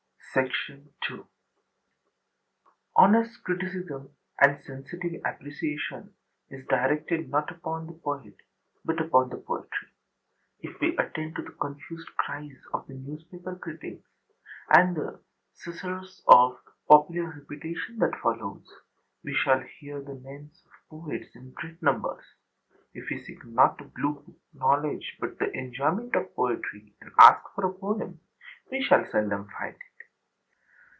II Honest criticism and sensitive appreciation is directed not upon the poet but upon the poetry. If we attend to the confused cries of the newspaper critics and the susurrus of popular repetition that follows, we shall hear the names of poets in great numbers; if we seek not Blue book knowledge but the enjoyment of poetry, and ask for a poem, we shall seldom find it.